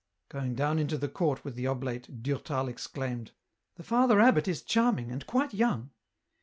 Going down into the court with the oblate Durtal exclaimed, " The Father Abbot is charming, and quite young."